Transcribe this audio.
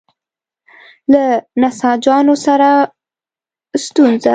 له نساجانو سره ستونزه.